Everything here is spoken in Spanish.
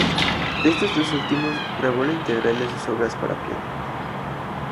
De estos dos últimos grabó la integral de sus obras para piano.